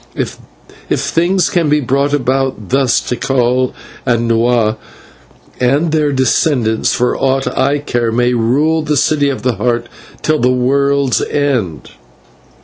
If things can be brought about thus, Tikal and Nahua and their descendants, for aught I care, may rule in the City of the Heart till the world's end."